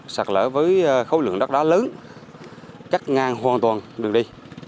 sạt lở với khối lượng đất đá lớn cắt ngang hoàn toàn đường đi